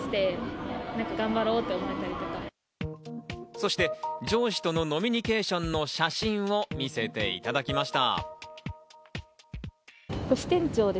そして上司との飲みニケーションの写真を見せていただきました。